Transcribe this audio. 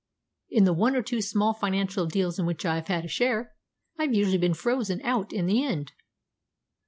In the one or two small financial deals in which I've had a share, I've usually been 'frozen out' in the end."